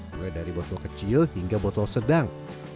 mulai dari botol kecil hingga botol sedang